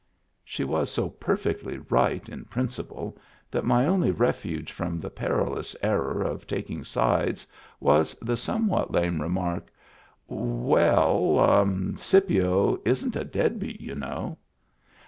" She was so perfectly right in principle that my only refuge from the perilous error of taking sides was the somewhat lame remark: "Well, Scipio isn't a dead beat, you know."